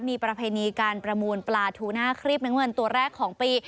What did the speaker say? มีประเพณีการประมูลปลาทูน่าครีบน้ำเงินตัวแรกของปี